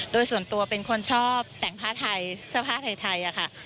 โดยส่วนตัวเป็นคนชอบแต่งผ้าไทยเสื้อผ้าไทยค่ะ